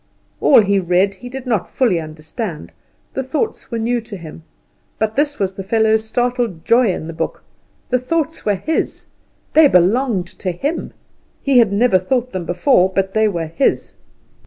All he read he did not fully understand; the thoughts were new to him; but this was the fellow's startled joy in the book the thoughts were his, they belonged to him. He had never thought them before, but they were his.